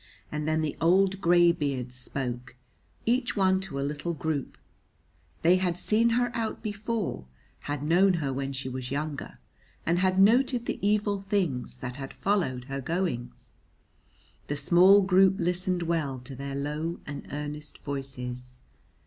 And then the old grey beards spoke, each one to a little group; they had seen her out before, had known her when she was younger, and had noted the evil things that had followed her goings: the small groups listened well to their low and earnest voices.